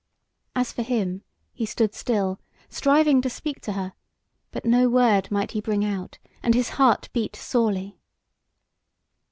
As for him, he stood still, striving to speak to her; but no word might he bring out, and his heart beat sorely.